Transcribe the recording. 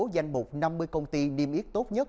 danh mục năm mươi công ty niêm yết tốt nhất